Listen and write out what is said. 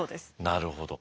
なるほど。